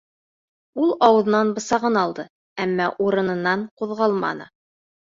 Ул ауыҙынан бысағын алды, әммә урынынан ҡуҙғалманы.